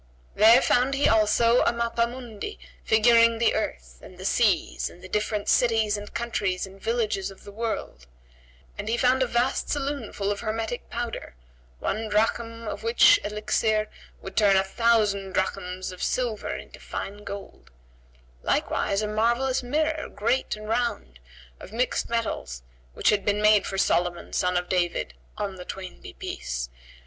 There found he also a mappa mundi figuring the earth and the seas and the different cities and countries and villages of the world; and he found a vast saloon full of hermetic powder, one drachm of which elixir would turn a thousand drachms of silver into fine gold; likewise a marvellous mirror, great and round, of mixed metals, which had been made for Solomon, son of David (on the twain be peace!)